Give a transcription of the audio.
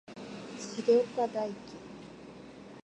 重岡大毅